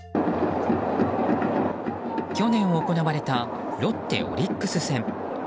去年行われたロッテ、オリックス戦。